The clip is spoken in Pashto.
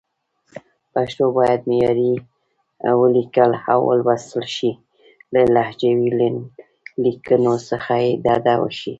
پښتو باید معیاري ولیکل او ولوستل شي، له لهجوي لیکنو څخه دې ډډه وشي.